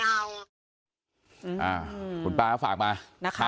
เราไม่ได้มีเจตนาจะหยีบออกจะหยีบกองเขา